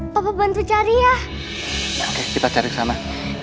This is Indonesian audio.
bapak bantu cari ya kita cari sama